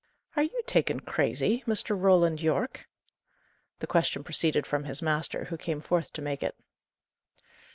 "Are you taken crazy, Mr. Roland Yorke?" The question proceeded from his master, who came forth to make it.